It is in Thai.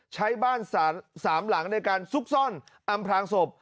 ใช้บ้าน๓หลังในการซุกซ่อนอำพลางศพ